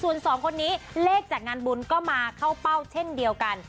ส่วนสองคนนี้เลขจากงานบุญก็มาเข้าเป้าเช่นเดียวกัน